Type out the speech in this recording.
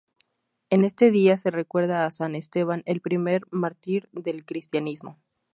En este día se recuerda a San Esteban, el primer mártir del cristianismo.